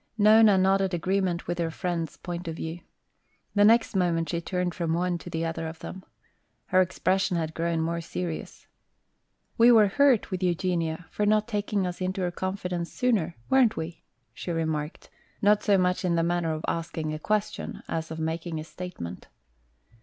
Nona nodded agreement with her friend's point of view. The next moment she turned from one to the other of them. Her expression had grown more serious. "We were hurt with Eugenia for not taking us into her confidence sooner, weren't we?" she remarked, not so much in the manner of asking a question as of making a statement.